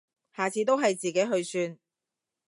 下次都係自己去算